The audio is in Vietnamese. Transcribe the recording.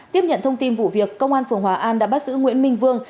tiếp nhận thông tin vụ việc công an phường hòa an đã bắt giữ nguyễn minh vương